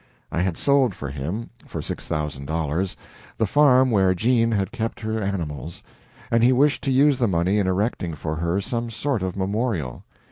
I had sold for him, for six thousand dollars, the farm where Jean had kept her animals, and he wished to use the money in erecting for her some sort of memorial.